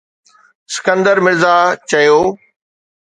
اسڪندر مرزا چيو